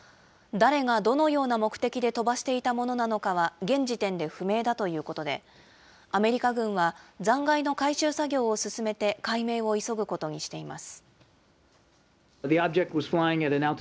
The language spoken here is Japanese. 誰がどのような目的で飛ばしていたものなのかは現時点で不明だということで、アメリカ軍は残骸の回収作業を進めて解明を急ぐことにしています。